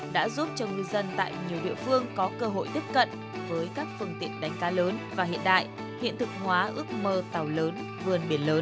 đã giúp cho ngư dân tại nhiều địa phương có cơ hội tiếp cận với các phương tiện đánh cá lớn và hiện đại hiện thực hóa ước mơ tàu lớn vươn biển lớn